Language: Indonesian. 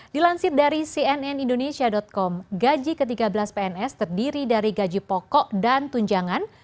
dilansir dari cnn indonesia com gaji ke tiga belas pns terdiri dari gaji pokok dan tunjangan